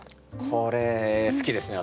これ好きですね